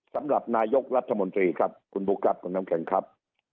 สำหรับนายกรัฐมนตรีครับคุณบุ๊คครับคุณน้ำแข็งครับ